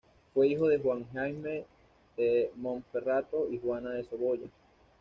Fue hijo de Juan Jaime de Montferrato y Juana de Saboya.